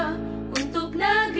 menggambarkan optimal ya separately